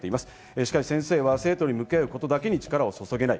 しかし先生は生徒に向き合うことだけに力をそそげない。